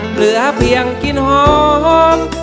เหลือเพียงกลิ่นหอม